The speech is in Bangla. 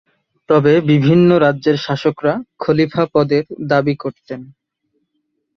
তবে বিভিন্ন রাজ্যের শাসকরা খলিফা পদের দাবি করতেন।